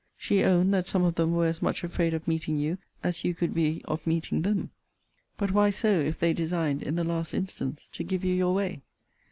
'She owned, that some of them were as much afraid of meeting you as you could be of meeting them:' But why so, if they designed, in the last instance, to give you your way?